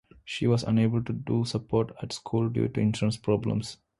She was unable to do sport at school due to insurance problems.